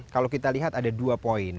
kalau kita lihat ada dua poin